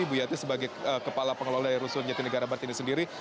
ibu duyanti sebagai kepala pengelola dari rusun nyatina garam martini sendiri